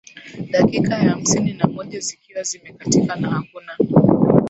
Dakika ya hamsini na moja zikiwa zimekatika na hakuna